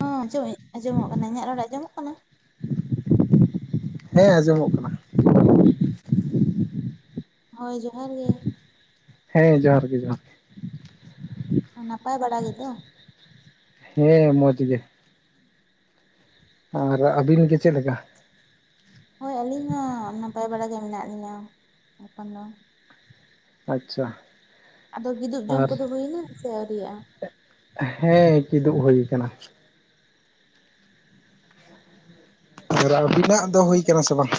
ᱦᱚᱸ ᱪᱚᱢ ᱟᱸᱡᱚᱢᱚᱜ ᱠᱟᱱᱟ ᱤᱧᱟᱹᱜ ᱨᱚᱲ ᱟᱸᱡᱚᱢᱚᱜ ᱠᱟᱱᱟ? ᱦᱮᱸ ᱟᱸᱡᱚᱢᱚᱜ ᱠᱟᱱᱟ ᱾ ᱦᱳᱭ ᱡᱚᱦᱟᱨ ᱜᱮ ᱾ ᱦᱮᱸ ᱡᱚᱦᱟᱨ ᱜᱮ ᱡᱚᱦᱟᱨ ᱜᱮ᱾ ᱱᱟᱯᱟᱭ ᱵᱟᱲᱟ ᱜᱮᱫᱚ ᱦᱮᱸ ᱢᱚᱡᱽ ᱜᱮ᱾ ᱟᱨ ᱟᱹᱵᱤᱱ ᱜᱮ ᱪᱮᱫ ᱞᱮᱠᱟ? ᱦᱳᱭ ᱟᱹᱞᱤᱧ ᱦᱚᱸ ᱱᱟᱯᱟᱭ ᱵᱟᱲᱟ ᱜᱮ ᱢᱮᱱᱟᱜ ᱞᱤᱧᱟᱹ ᱮᱠᱷᱚᱱ ᱫᱚ ᱾ ᱟᱪᱪᱷᱟ ᱾ ᱟᱫᱚ ᱜᱤᱫᱩᱵ ᱡᱚᱢ ᱠᱚᱫᱚ ᱦᱩᱭᱱᱟ ᱥᱮ ᱟᱹᱣᱨᱤᱭᱟᱜᱼᱟ? ᱦᱮᱸ ᱠᱤᱫᱩᱜ ᱦᱩᱭ ᱟᱠᱟᱱᱟ ᱾ ᱟᱨ ᱟᱹᱵᱤᱱᱟᱜ ᱫᱚ ᱦᱩᱭ ᱠᱟᱱᱟ ᱥᱮ ᱵᱟᱝ?